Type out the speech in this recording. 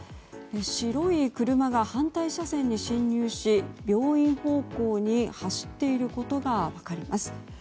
白い車が反対車線に進入し病院方向に走っていることが分かります。